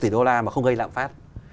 tỷ đô la mà không gây lạm phát